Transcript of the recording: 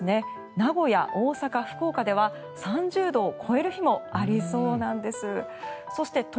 名古屋、大阪、福岡では３０度を超える日もありそうなんです。